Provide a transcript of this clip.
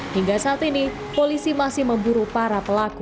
hingga saat ini polisi masih memburu para pelaku